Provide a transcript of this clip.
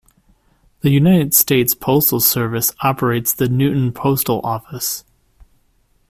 The United States Postal Service operates the Newton Post Office.